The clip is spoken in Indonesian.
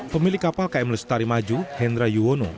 pemilik kapal km lestari maju hendra yuwono